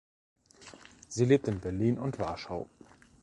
Sie lebt in Berlin und Warschau.